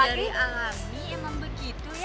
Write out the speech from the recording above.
dari alami emang begitu ya